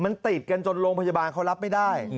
มันติดกันจนโรงพยาบาลเขารับไม่ได้